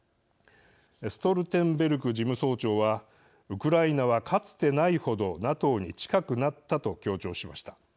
ストルテンベルグ事務総長はウクライナはかつてない程ＮＡＴＯに近くなったと強調しました。